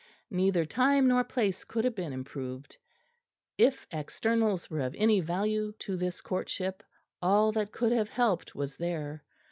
Neither time nor place could have been improved. If externals were of any value to this courtship, all that could have helped was there.